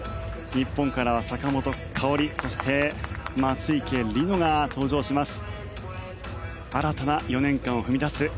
日本からは坂本花織そして、松生理乃が登場します。